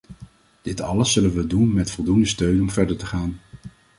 Dit alles zullen we doen met voldoende steun om verder te gaan.